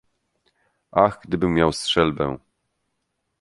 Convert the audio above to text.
- Ach, gdybym miał strzelbę!